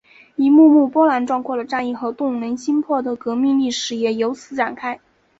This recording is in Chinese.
一幕幕波澜壮阔的战役和动人心魄的革命历史也由此展开。